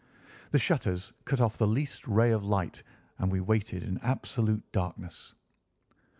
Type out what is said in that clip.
The shutters cut off the least ray of light, and we waited in absolute darkness.